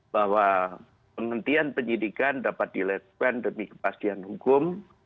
bahwa penghentian penyidikan dapat dilakukan demi kepastian hukum